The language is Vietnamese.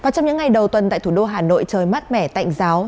trong những ngày đầu tuần tại thủ đô hà nội trời mát mẻ tạnh giáo